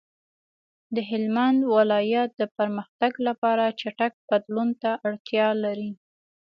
د هلمند ولایت د پرمختګ لپاره چټک بدلون ته اړتیا لري.